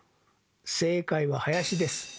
正解は林です。